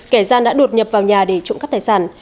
kẻ gian đã đột nhập vào nhà để trộm cắp tài sản